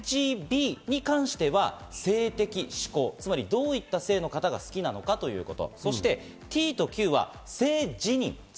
この時にＬＧＢに関しては性的指向、どういった性の方が好きなのかということ。